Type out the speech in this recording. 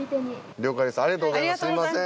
了解ですありがとうございます。